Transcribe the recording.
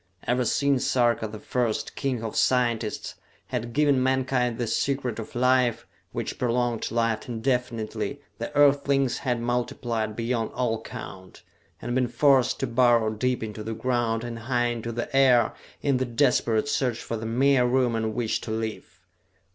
Ever since Sarka the First, king of scientists, had given mankind the Secret of Life, which prolonged life indefinitely, the Earthlings had multiplied beyond all count, and been forced to burrow deep into the ground and high into the air in the desperate search for the mere room in which to live.